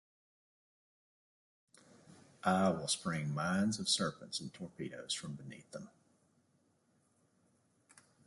I will spring mines of serpents and torpedos from beneath them.